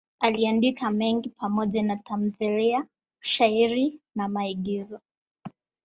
Aliandika mengi pamoja na tamthiliya, shairi na maigizo.